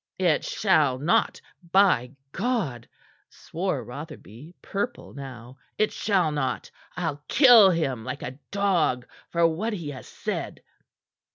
"It shall not, by God!" swore Rotherby, purple now. "It shall not. I'll kill him like a dog for what he has said."